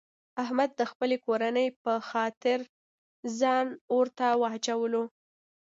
احمد د خپلې کورنۍ په خاطر ځان اورته واچولو.